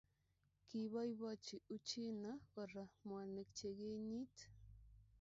kiboibochi Uchina kora mwanik che kenyit.